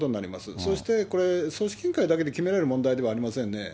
そしてこれ、組織委員会だけで決めれる問題ではありませんね。